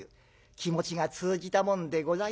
気持ちが通じたもんでございましょう。